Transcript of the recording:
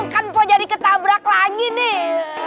kan pak jadi ketabrak lagi nih